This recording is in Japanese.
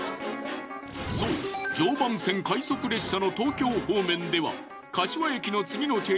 そう常磐線快速列車の東京方面では。